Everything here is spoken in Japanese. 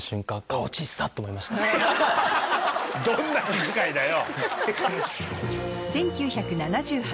どんな気遣いだよ！